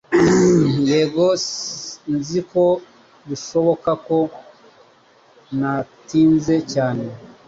Yego nzi ko bishoboka ko natinze cyane